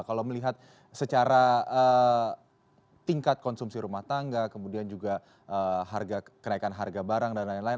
kalau melihat secara tingkat konsumsi rumah tangga kemudian juga kenaikan harga barang dan lain lain